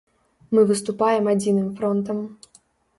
Мы выступаем адзіным фронтам.